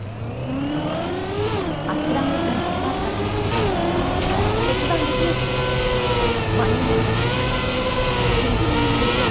諦めずに粘った結果決断できなかった結果間に合わなくなるギリギリになる。